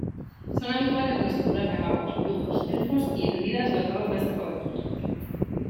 Son habituales las figuras de magos, brujos, elfos y druidas dotados de este poder.